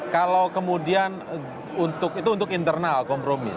kalau kemudian itu untuk internal kompromi